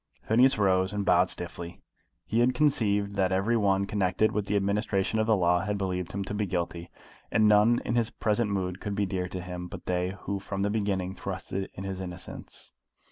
Phineas rose, and bowed stiffly. He had conceived that every one connected with the administration of the law had believed him to be guilty, and none in his present mood could be dear to him but they who from the beginning trusted in his innocence.